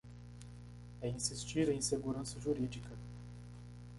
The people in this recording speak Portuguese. É insistir em segurança jurídica